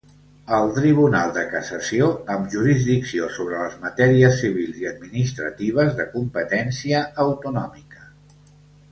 El Tribunal de Cassació, amb jurisdicció sobre les matèries civils i administratives de competència autonòmica.